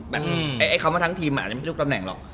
แบบคำว่าทั้งทีมมันไม่ใช่ลูกตำแหน่งหรอก